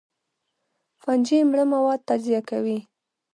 فنجي مړه مواد تجزیه کوي